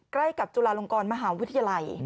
ใกล้กับจุฬาลงกรมหาวิทยาลัย